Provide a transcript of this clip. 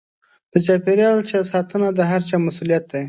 د چاپېريال ساتنه د هر چا مسووليت دی.